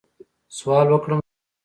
سوال وکړم زه؟